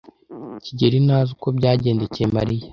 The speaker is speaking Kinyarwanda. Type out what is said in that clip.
kigeli ntazi uko byagendekeye Mariya.